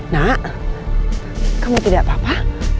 nak kamu tidak apa apa